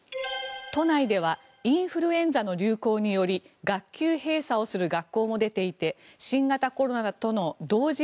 都内ではインフルエンザの流行により学級閉鎖をする学校も出ていて新型コロナとの同時